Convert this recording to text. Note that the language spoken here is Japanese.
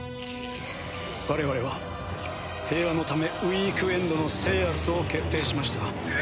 我々は平和のためウィークエンドの制圧を決定しました。